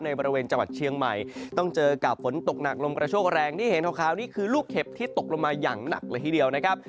บริเวณจังหวัดเชียงใหม่ต้องเจอกับฝนตกหนักลมกระโชคแรงที่เห็นขาวนี่คือลูกเห็บที่ตกลงมาอย่างหนักเลยทีเดียวนะครับ